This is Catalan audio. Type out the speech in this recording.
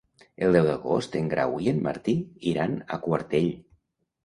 El deu d'agost en Grau i en Martí iran a Quartell.